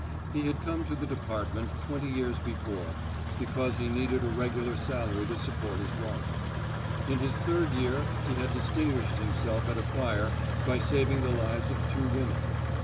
He had come to the department, twenty years before, because he needed a regular salary to support his wife. In his third year he had distinguished himself at a fire by saving the lives of two women.